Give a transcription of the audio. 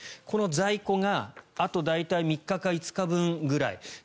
この在庫があと大体３日か５日分くらい。